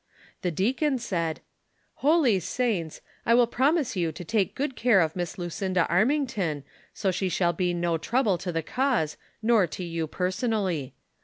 The deacon saH :"• Holy saints, I will promisa you to take good care of Miss Lucinda Armington, so she shall be no trouble to the cause, nor to you personally.